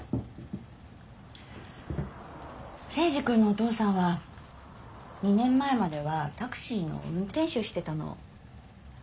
征二君のお父さんは２年前まではタクシーの運転手してたの。